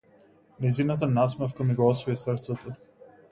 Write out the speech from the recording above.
Нејзината насмевка ми го освои срцето.